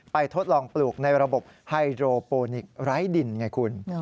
ทดลองปลูกในระบบไฮโดรโปนิกไร้ดินไงคุณ